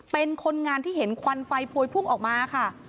เป็นคนงานที่เห็นควันไฟพวยพุ่งออกมาค่ะ